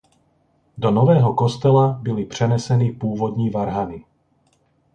Do nového kostela byly přeneseny původní varhany.